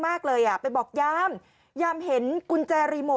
มากเลยอ่ะไปบอกยามยามเห็นกุญแจรีโมท